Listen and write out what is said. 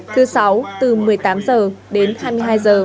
thứ sáu từ một mươi tám h đến hai mươi hai giờ